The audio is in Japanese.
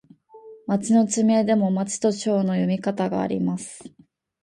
町の地名でも、まちとちょうの読み方があります。